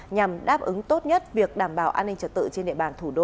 nhằm đáp ứng tốt nhất việc đảm bảo an ninh trật tự trên địa bàn thủ đô